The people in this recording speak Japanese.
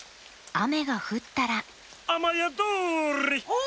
あめがふったらあまやどり！